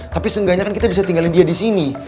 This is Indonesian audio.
tapi seenggaknya kan kita bisa tinggalin dia di sini